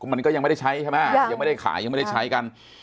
มันก็ยังไม่ได้ใช้ใช่ไหมยังไม่ได้ขายยังไม่ได้ใช้กัน